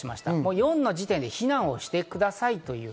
４の時点で避難をしてくださいという。